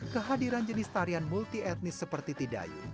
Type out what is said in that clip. kehadiran jenis tarian multi etnis seperti tidayu